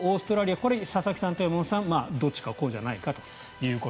これは佐々木さんと山本さんどっちかじゃないかと。